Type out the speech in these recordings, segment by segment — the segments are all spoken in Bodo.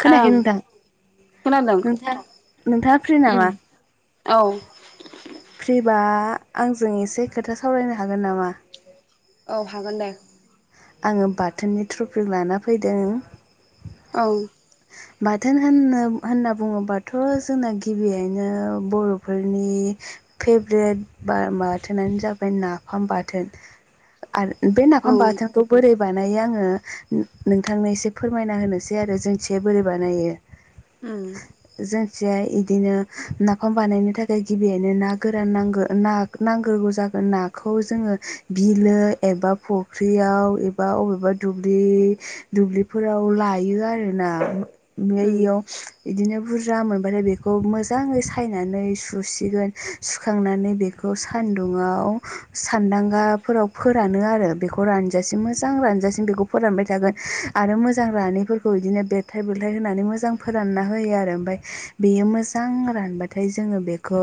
खोनायाखै हेल' नोंथां खोनादों नोंथां नोंथाङा फ्रि ओ नामा? औ बा आंजों एसे खोथा सावरायनो हागोन नामा? औ हागोन दे आङो बाथोननि ट्रपिक लाना फैदों। औ बाथोन होननो होनना बुङोबाथ' जोंना गिबियैनो बर'फोरनि फेभेरेट बा बाथोनानो जाबाय नाफाम बाथोन आरो बे औ नाफाम बाथोनखौ बोरै बानायो आङो नोंथांनो एसे फोरमायना होनोसै आरो जोंथिंजाय बोरै बानायो ओम इसे इदिनो नाफाम बानायनो थाखाय गिबियैनो ना गोरान नांगौ ना नांगौ जाग्रोयो नाखौ जोङो बिलो एबा फ फुख्रियाव एबा अबेबा दुब्लिफोराव लायो आरोना ओमफ्राय बेयाव बिदिनो बुरजा मोनबाथाय बेखौ खौ मोजाङै सायनानै सुसिगोन सुखांनानै बेखौ सान्दुंङआव सानदांगाफोराव फोरानो आरो बेखौ खौ रानजासिम मोजां रानजासिम बेखौ फोरानबाय थागोन आरो मोजां रानैफोरखौ बिदिनो बेरथ बेलथाय होनानै मोजां फोरानना होयो आरो ओमफ्राय बेयो मोजां रानबाथाय जोङो बेखौ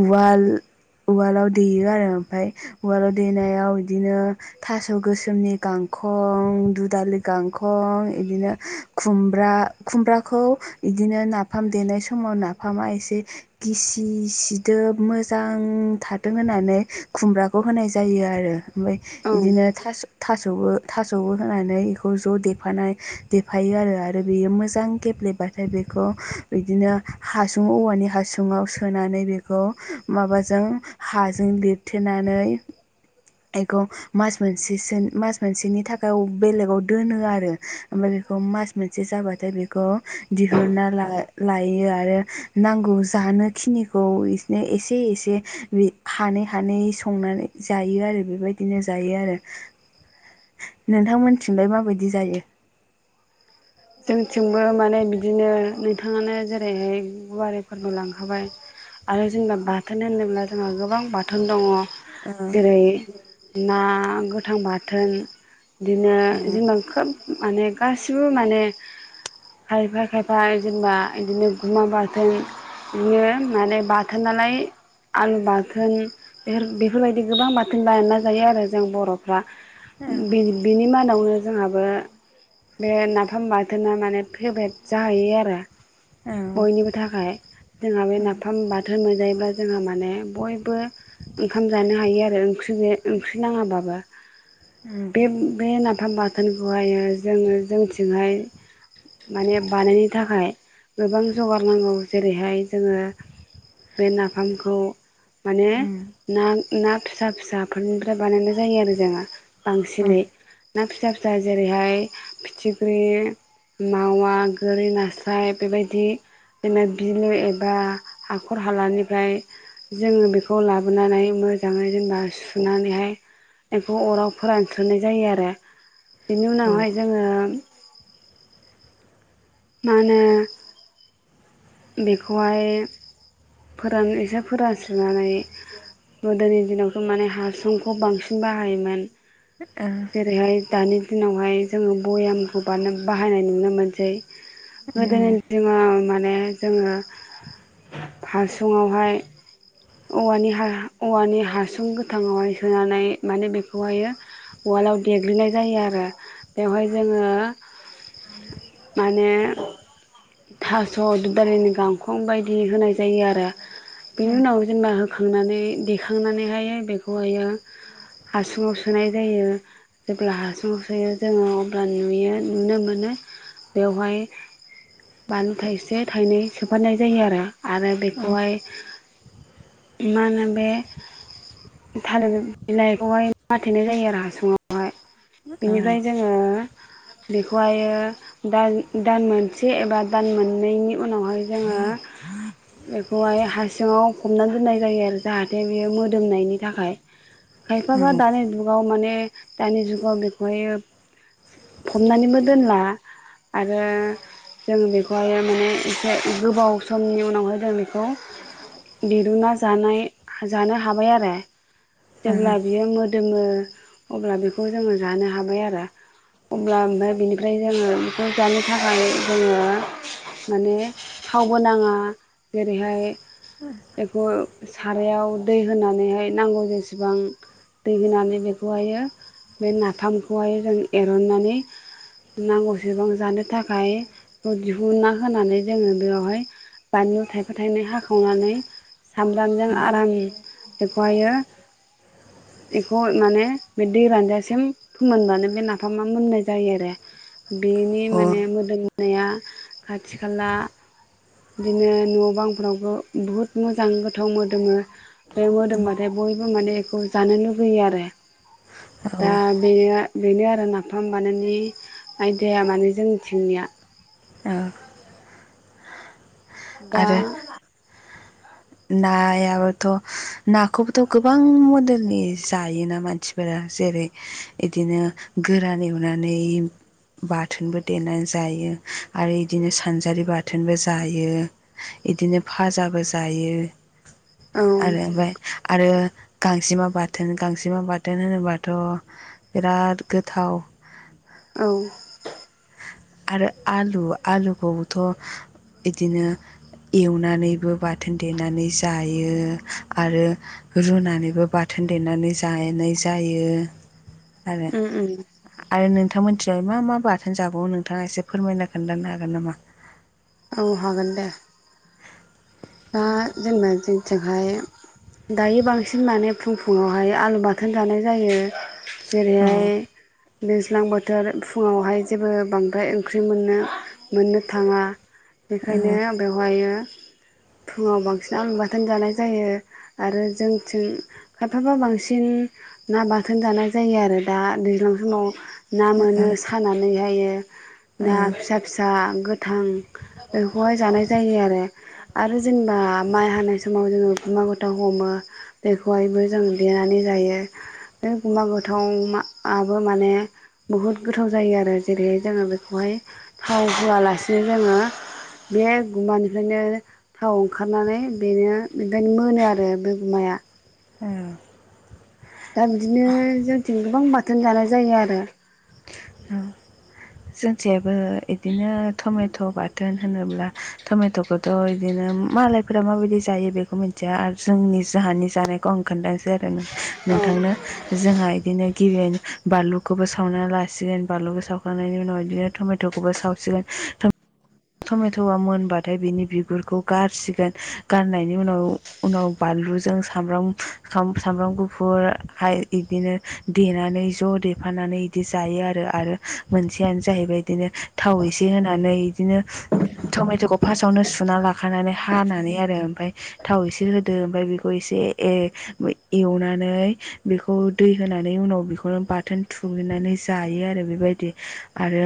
उवाल उवालाव देयो आरो ओमफाय उवालाव देनायाव इदिनो थास' गोसोमनि गांखं दुदालि गांखं इदिनो खुमब्रा ब्रा खुमब्राखौ गिदिंनो नाफाम देनाय स समाव नाफामा एसे गिसि सिदोब मोजां थाथों होननानै खुमब्राखौ होनाय जायो आरो ओमफ्राय बिदिनो थास' थास' दौओ थास'बो होनानै बेखौ ज' देफानाय देफायो आरो आरो बेयो मोजां गेब्ले बा थाय बेखौ बिदिनो हासुं औवानि हासुुङाव सोनानै बेखौ माबा जों हाजों लिरथेनानै बेखौ मास मोनसेसो मास मोनसेनि थाखाय बेलेगाव दोनो आरो ओमफ्राय बेखौ मास मोनसे जाबाथाय बेखौ दिहुनना लायो आरो नांगौ जानो खिनिखौ बिदिनो एसे एसे नि हानै हानै संनानै जायो आरो बेबायदिनो जायो आरो नोंथांमोनथिंलाय माबायदि जायो [inaudible] जोंथिंबो माने बिदिनो नोंथाङानो जेरैहाय गुवारै फोरमायलांखाबाय आरो जेनेबा बाथोन होनोब्ला जोंहा गोबां बाथोन दङ ओ जेरै ना गोथां बाथोन बिदिनो ओ जेनेबा खोब माने गासिबो माने [inaudible] खायफा खायफा जेनेबा इदिनो गुमा बाथोन बिनो माने बाथोन नालाय आलु बाथोन बेफोर बेफोरबायदि गोबां बाथोन बानायना जायो आरो जों बर'फ्रा बि बिनि मादावनो जोंहाबो बे नाफाम बा थोना माने फेबेट जाहैयो आरो ओ बयनिबो थाखाय जोंहा बे नाफाम बाथोन मोनजायो अब्ला जोंहा माने बयबो ओंखाम जानो हायो आरो ओंख्रि ओंख्रि नाङाबाबो उम बे बे नाफाम बाथोनखौहायो जोङो जोंथिंहाय माने बानायनो थाखाय गोबां जगार नांगौ जेरैहाय जोङो बे नाफामखौ माने ना ना फिसा फिसाफोरनिफ्राय बानायनाय जायो आरो जोहा उम बांसिनै ना फिसा फिसा जेरैहाय फिथिख्रि मावा गोरि नास्राय बेबायदि जेनबा बिलु एबा हाखर हालानिफ्राय जोङो बेखौ लाबोनानै मोजाङै जेनेबा सुनानैहाय बेखौ अराव फोरानस्रोनाय जायो आरो बेनि औ ओ उम औ उनावहाय जोङो मा होनो बेखौहाय फोरान एसे फोरानस्रिनानै गोदोनि दिनावथ' माने हासंखौ बांसिन बाहायोमोन जेरैहाय दानि दिनावहाय जोङो भयामखौ बानाय बाहायनाय नुनो मोनसै गोदोनि दिङाव माने जोङो हासुङावहाय औवानि हा-हा औवानि हासुं गोथाङावहाय सोनानै माने बेखौहाय उवाल्डआव देग्लिनाय जायो आरो बेवहाय जोङो माने थास' दालिनि गांखं बायदि होनाय जायो आरो बिनि उनाव जेनेबा खांनानै देखांनानैहाय बेखौहायो हासुङाव सोनाय जायो जेब्ला हासुङाव सोयो जोङो अब्ला नुयो नुनो मोनो बेवहाय बानलु थाइसे थाइनै सोफनाय जायो आरो आरो औ बेखौहाय मानो बे थालिर बिलाइखौहाय माथेनाय जायो आरो हासुङावहाय बिनिफ्राय जोङो बेखौहायो दान मोनसे एबा दान मोननैनि उनावहाय जोङो बेखौहाय हारसिङाव हमनानै दोननाय जायो आरो जाहाथे बेयो मोदोमनायनि थाखाय [inaudible] खायफाबा दानि जुगाव माने दानि जुगाव बेखौहाय फबनानैबो दोनला आरो जों बेखौहाय माने एसे गोबाव समनि उनावहाय जों बेखौ दिरुना जानाय जानो हाबाय आरो जेब्ला बियो मो दोमो अब्ला बेखौ जोङो जानो हाबाय आरो अब्ला ओमफ्राय बिनिफ्राय जोङो बेखौ जानो थाखाय जोङो माने थावबो नाङा जेरैहाय बेखौ सारायाव दै होनानैहाय नांगौ जेसेबां दै होनानै बेखौहायो बे नाफामखौहाय जों एरननानै नांगौसेबां जानो थाखाय दिहुना होनानै जोङो बेयावहाय बानलु थाइफा थाइनै हाखावनानै सामब्रामजों आराम बेखौहायो [inaudible] बेखौ माने बे दै रानजासिम फोमोनब्लानो बे नाफामा मोननाय जायो आरो बेनि औ माने मोदोमनाया खाथि खाला बिदिनो न' बांफोरावबो बुहुत मोजां गोथाव मोदोमो बे मोदोमबाथाय बयबो माने बेखौ जानो लुगैयो आरो [inaudible] दा बे बेनो आरो नाफाम बानायनि आइदाया माने जोंनिथिंनिया औ दा आरो नायाबोथ' नाखौबोथ' गोबां मडेलनि जायोना मानसिफोरा जेरै बिदिनो गोरान एवनानै बाथोनबो देनानै जायो आरो इदिनो सानजारि बाथोनबो जायो बिदिनो फाजाबो जायो औ आरो ओमफ्राय आरो गांसेमा बाथोन गांसेमा बाथोन होनोबाथ' बिराद गोथाव औ आरो आलु आलुखौथ' बिदिनो एवनानैबो बाथोन देनानै जायो आरो रुनानैबो बाथोन देनानै जानाय जायो। आरो उम उम आरो नोंथां मोनथिं मा मा बाथोन जाबावो नों नोंथाङा एसे फोरमायना खोन्थानो हागोन नामा औ हागोन दे दा जेनेबा जोंनिथिहाय दायो बांसिन माने फुं फुङावहाय आलु बाथोन जानाय जायो औ जेरैहाय दैज्लां बोथोर फुङावहाय जेबो बांद्राय ओंख्रि मोननो मोननो थाङा। बेखायनो बेवहाय फुङाव बांसिन आलु बाथोन जानाय जायो आरो जोंथिं खायफाबा बांसिन ना बाथोन जानाय जायो आरो दा दैज्लां समाव ना मोनो सानानैहाय ना औ फिसा फिसा। गोथां बेखौहाय जानाय जायो आरो। आरो जेनेबा माइ हानाय समाव जोङो समाव गोथाव हमो बेखौहायबो जों देनानै जायो। जायो बे गुमा गोथावाबो माने बुहुत गोथाव जायो आरो जेरै जों बेखौहाय थाव होआ लासेनो जोङो बे गुमानिफ्रायनो थाव ओंखारनानै बेनो बेबायनो मोनो आरो बे गुमाया ए। दा बिदिनो जोंथिं गोबां बाथोन जानाय जायो आरो। होम। जोंनिथिंहायाबो बिदिनो टमेट' बाथोन होनोब्ला टमेट'खौथ' बिदिनो मालायफोरा माबायदि जायो बेखौ मिथिया आरो जोंनि जोंहानि जानायखौ आं खोन्थासै आरो ना? नोंथांनो जोंहा बिदिनो गिबियैनो बानलुखौबो सावनानै लााय सिगोन बानलुखौ सावखांनायनि उनाव बिदिनो टमेट'खौबो सावसिगोन टमेट'आ मोनबाथाय बिनि बिगुरखौ गारसिगोन गारनायनि उनाव उनाव बानलु बानलुजों सब्राम सामब्राम गुफुर बिदिनो देनानै ज' दे थांफानानै इदि जायो आरो। आरो मोनसेयानो जाहैबाय बिदिनो थाव एसे होनानै बिदिनो टमेट'खौ फास्टावनो सुना लाखानानै हानानै आरो ओमफफ्राय थाव एसे होदो ओमफफ्राय बेखौ एसे एवनानै बेखौ दै होनानै उनाव बेखौनो बाथोन थुग्लि नानै जायो आरो बेबायदि। आरो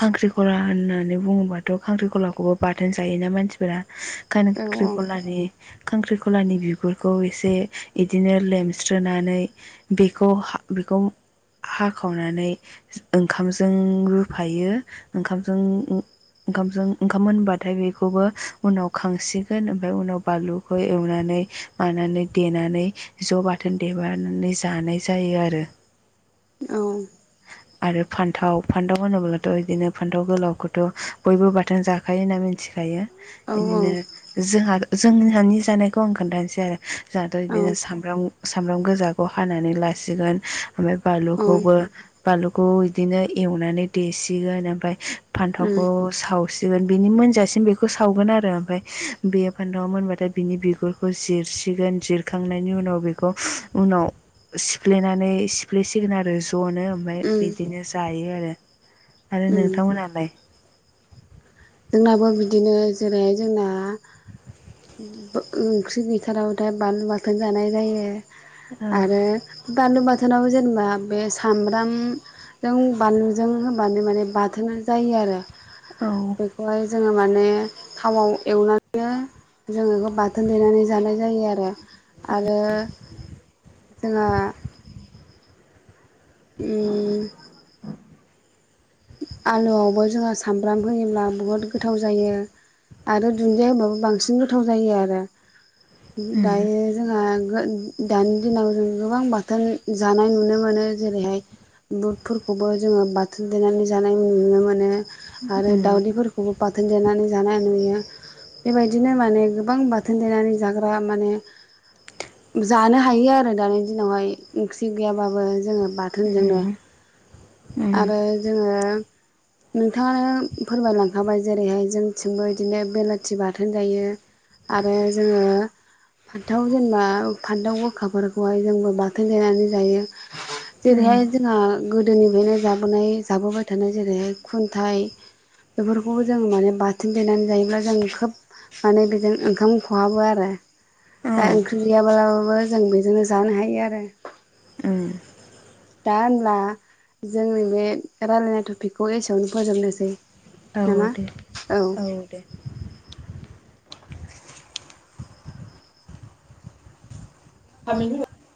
खाख्रिकला होननानै बुङोबाथ' खांख्रिखलाखौबो बाथोन जायोना मानसिफोरा? औ खांख्रिखलानि खांख्रिखलानि बिगुरखौ एसे बिदिनो लेमस्रोनानै बेखौ बेखौ हाखाव ओंखामजों रुफायो। जों उम ओंखामजों ओंखाम होनबाथाय बेखौबो उनाव खांसिगोन ओमफ्राय उनाव बानलुखौ एवनानै मानानै देनानै ज' बाथोन देनानै जानाय जायो आरो। [inaudible] औ। आरो फान्थाव फान्थाव होनोब्लाथ' बिदिनो फान्थाव फान्थाव गोलावखौथ' बयबो बाथोन जाखायो होनना मिथिखायो। औ बिदिनो जोंहा जों हानि जानायखौ आं खोन्थानोासै आरो जोंहाथ' औ बिदिनो सामब्राम सामब्राम गोजाखौ हानानै ला सिगोन। ओमफ्राय औ बलुखौबो बालुखौ बिदिनो एवनानै देसिगोन ओमफफ्राय उम फान्थावखौ सावसिन सिगोन बिनि मोनजासिम बेखौ सावगोन आरो ओमफफ्राय बे फान्थावआव मोनबाथाय बिनि बिगुरखौ जिरसि सिगोन जिरखांनायनि उनाव बेखौ उनाव सिफ्लेनानै सिफ्लेसिगोन आरो ज'नो। ओमफ्राय उम बिदिनो जायो आरो आरो। उम नोंथांमोनालाय? जोंनाबो बिदिनो जेरैहाय जोंना ब ओंख्रि गैथारावथाया बानलु बाथोन जानाय जायो। आरो बानलु बाथोनाव जेनेबा बे सामब्राम जों बानलुजों होबानो माने बाथोनो जायो आरो। औ। बेखौहाय जोङो माने थावाव एवनानै जोङो बेखौ बाथोन देनानै जानाय जायो आरो। आरो जोंहा उम। आलुआवबो जोंहा सामब्राम होयोब्ला बुहुद गोथाव जायो। आरो दुन्दिया होबाबो बांसिन गोथाव जायो आरो उम दायो जोंहा दानि दिनाव जों गोबां बाथोन जानाय नुनो मोनो जेरैहाय बुटफोरखौबो जोङो बाथोन देनानै जानाय नुनो मोनो आरो उम दावदैफोरखौबो बाथोन देनानै जानाय नुयो। बेबायदिनो माने गोबां बाथोन देनानै जाग्रा माने जानो हायो आरो दानि दिनावहाय ओंख्रि गैयाबाबो जोङो बाथोनजोंनो उम उम आरो जोङो नोंथाङानो फोरमायलांखाबाय जेरैहाय जोंथिंबो इदिनो बेलाथि बाथोन जायो। आरो जोङो फान्थाव जेनेबा फान्थाव गोखाफोरखौहाय जोंबो बाथोन देनानै जायो। उम जेरैहाय जोंहा गोदोनिफ्रायनो जाबोनाय जाबोबाय थानाय जेरैहाय खुन्थाइ बेफोरखौबो जों माने बाथोन देनानै जायोब्ला जों खोब माने बेजों ओंखाम खहाबो आरो। औ दा ओंख्रि गैयाब्लाबो जों बेजोंनो जानो हायो आरो। उम। दा होनब्ला जोंनि बे रायलायनाय टपिकखौ एसेयावनो फोजोबनोसै। औ नामा दे औ दे। [unintelligible]